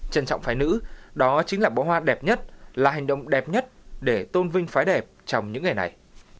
trân trọng phái nữ đó chính là bó hoa đẹp nhất là hành động đẹp nhất để tôn vinh phái đẹp trong những ngày này